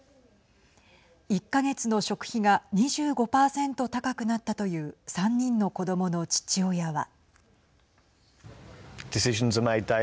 １か月の食費が２５％高くなったという３人の子どもの父親は。